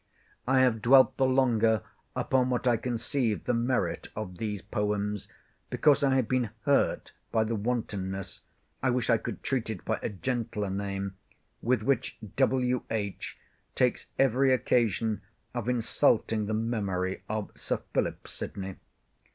I have dwelt the longer upon what I conceive the merit of these poems, because I have been hurt by the wantonness (I wish I could treat it by a gentler name) with which W.H. takes every occasion of insulting the memory of Sir Philip Sydney.